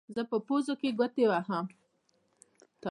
زه په پوزو کې ګوتې وهم.